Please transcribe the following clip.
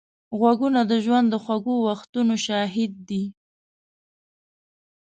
غوږونه د ژوند د خوږو وختونو شاهد دي